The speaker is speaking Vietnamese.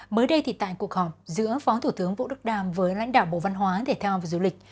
mới đây thì tại cuộc họp giữa phó thủ tướng vũ đức đam với lãnh đạo bộ văn hóa để theo vào du lịch